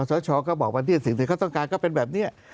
สชก็บอกวันที่สิ่งที่เขาต้องการก็เป็นแบบนี้